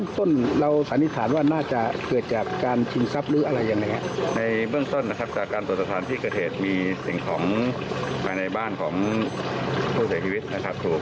ครับน่าจะเป็นเจตนาประสงค์โทรศัพท์แล้วครับ